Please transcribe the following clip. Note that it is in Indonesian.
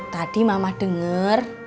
tadi mama denger